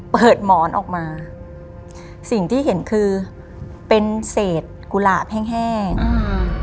หมอนออกมาสิ่งที่เห็นคือเป็นเศษกุหลาบแห้งแห้งอ่า